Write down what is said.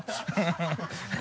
ハハハ